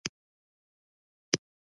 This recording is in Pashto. • غاښونه د عمر سره کمزوري کیږي.